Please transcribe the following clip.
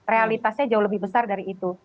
realitasnya jauh lebih besar dari itu